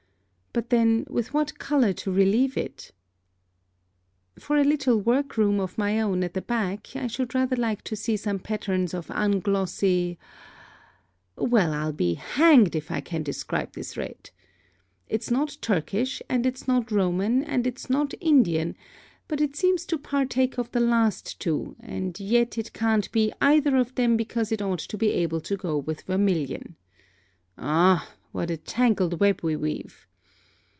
But then with what colour to relieve it? For a little work room of my own at the back I should rather like to see some patterns of unglossy well, I'll be hanged if I can describe this red. It's not Turkish, and it's not Roman, and it's not Indian; but it seems to partake of the last two, and yet it can't be either of them, because it ought to be able to go with vermilion. Ah, what a tangled web we weave!